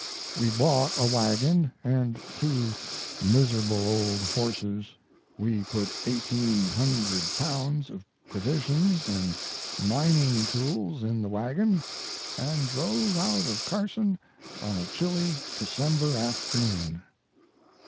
We bought a wagon and two miserable old horses. We put 1,800 pounds of provisions and mining tools in the wagon and drove out of Carson on a chilly December afternoon.